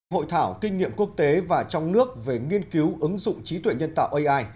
hội thảo kinh nghiệm quốc tế và trong nước về nghiên cứu ứng dụng trí tuệ nhân tạo ai